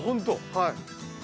はい。